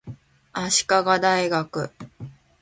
足利大学